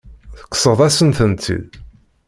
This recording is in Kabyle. Tekkseḍ-asen-tent-id.